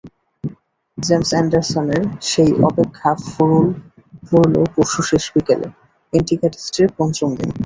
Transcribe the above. James অ্যান্ডারসনের সেই অপেক্ষা ফুরোল পরশু শেষ বিকেলে, অ্যান্টিগা টেস্টের পঞ্চম দিন।